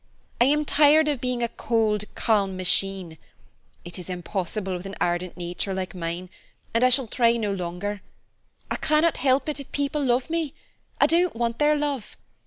I am tired of being a cold, calm machine; it is impossible with an ardent nature like mine, and I shall try no longer. I cannot help it if people love me. I don't want their love.